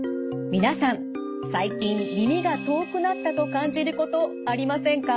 皆さん最近耳が遠くなったと感じることありませんか？